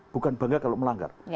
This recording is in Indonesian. bukan bangga kalau melanggar